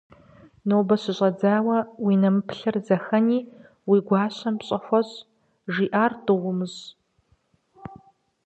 - Нобэ щыщӀэдзауэ уи нэмыплъыр зыхэни, уи гуащэм пщӀэ хуэщӀ, жиӀэр тӀу умыщӀ.